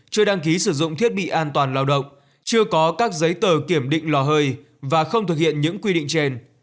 chưa đăng ký sử dụng thiết bị an toàn lao động chưa có các giấy tờ kiểm định lò hơi và không thực hiện những quy định trên